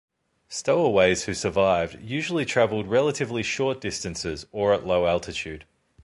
Stowaways who survived usually traveled relatively short distances or at a low altitude.